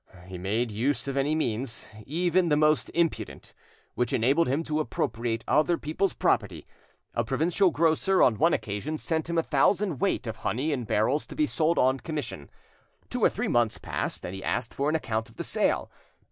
He made use of any means, even the most impudent, which enabled him to appropriate other people's property. A provincial grocer on one occasion sent him a thousand weight of honey in barrels to be sold on commission. Two or three months passed, and he asked for an account of the sale.